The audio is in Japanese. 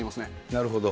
なるほど。